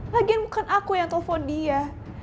lagian bukan aku yang telepon dia